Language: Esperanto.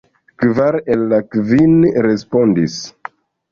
Kvar el la kvin respondis.